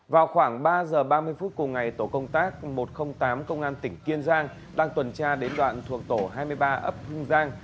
vào khoảng ba giờ ba mươi phút cùng ngày tổ công tác một trăm linh tám công an tỉnh kiên giang đang tuần tra đến đoạn thuộc tổ hai mươi ba ấp hưng giang